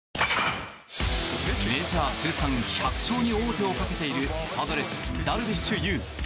メジャー通算１００勝に王手をかけているパドレス、ダルビッシュ有。